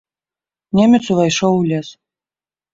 Немец увайшоў у лес.